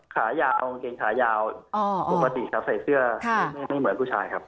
ขายาวเอากางเกงขายาวปกติครับใส่เสื้อไม่เหมือนผู้ชายครับ